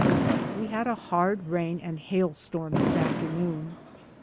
We had a hard rain and hail storm this af ternoon.